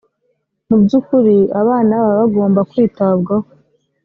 mu by’ukuri abana baba bagomba kwitabwaho